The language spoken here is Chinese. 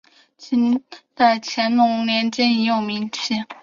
清代乾隆年间已有名气。